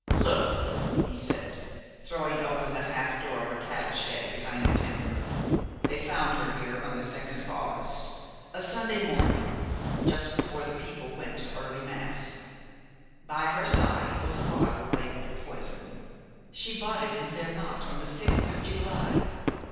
"Look!" he said, throwing open the half door of a cattle shed behind the timber. "They found her here on the second of August, a Sunday morning, just before the people went to early mass. By her side was a bottle labeled 'Poison.' She bought it in Zermatt on the sixth of July.